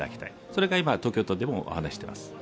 それが今、東京都でもお話しています。